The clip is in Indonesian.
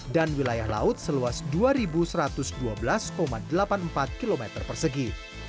dan wilayah laut seluas dua satu ratus dua belas delapan puluh empat km persegi